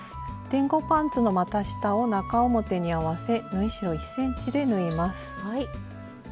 前後パンツのまた下を中表に合わせ縫い代１ｃｍで縫います。